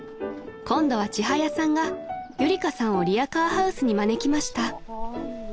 ［今度はちはやさんがゆりかさんをリアカーハウスに招きました］